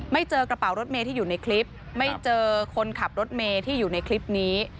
เจอกระเป๋ารถเมย์ที่อยู่ในคลิปไม่เจอคนขับรถเมย์ที่อยู่ในคลิปนี้